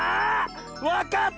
わかった！